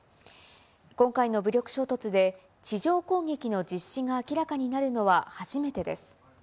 今回の武力衝突で、地上攻撃の実施が明らかになるのは初めてです。